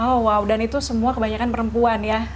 oh wow dan itu semua kebanyakan perempuan ya